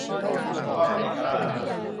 ความเป็นเอกราช